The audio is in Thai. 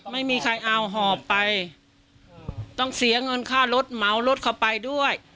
ไม่มีใครเอาหอบไปต้องเสียเงินค่ารถเหมารถเข้าไปด้วย